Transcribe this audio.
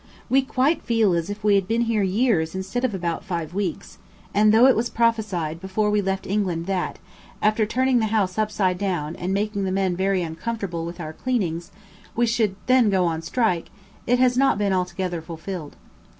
We quite feel as if we had been here years instead of about five weeks; and though it was prophesied before we left England that, after turning the house up side down and making the men very uncomfortable with our cleanings, we should then go on strike, it has not been altogether fulfilled.